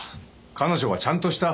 彼女はちゃんとした。